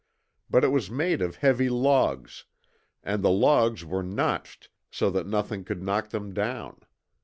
But it was made of heavy logs, and the logs were notched so that nothing could knock them down.